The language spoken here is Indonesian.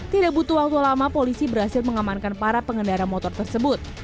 tidak butuh waktu lama polisi berhasil mengamankan para pengendara motor tersebut